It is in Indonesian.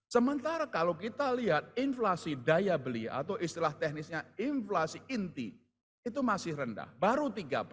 sementara kalau kita lihat inflasi daya beli atau istilah teknisnya inflasi inti itu masih rendah baru tiga puluh